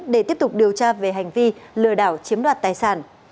để tiếp tục điều tra về hành vi lừa đảo chiếm đoạt tài sản